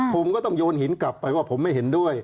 ผมก็ต้องโยนหินกลับไปว่าผมไม่เห็นด้วย